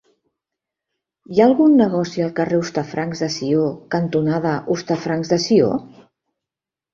Hi ha algun negoci al carrer Hostafrancs de Sió cantonada Hostafrancs de Sió?